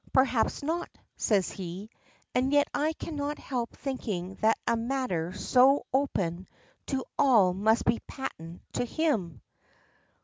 "Perhaps not," says he. "And yet I cannot help thinking that a matter so open to all must be patent to him."